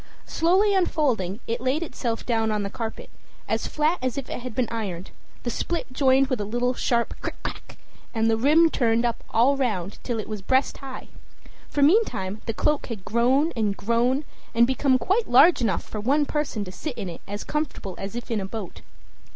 Slowly unfolding, it laid itself down on the carpet, as flat as if it had been ironed; the split joined with a little sharp crick crack, and the rim turned up all round till it was breast high; for meantime the cloak had grown and grown, and become quite large enough for one person to sit in it as comfortable as if in a boat.